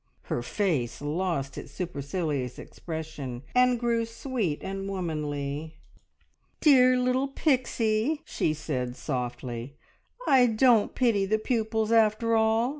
Her face lost its supercilious expression, and grew sweet and womanly. "Dear little Pixie," she said softly, "I don't pity the pupils after all.